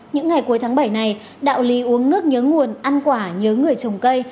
những ngày cuối tháng bảy này đạo lý uống nước nhớ nguồn ăn quả nhớ người trồng cây